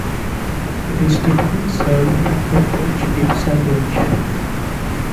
It is typically served with the French dip sandwich.